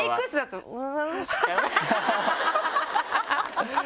ハハハハ！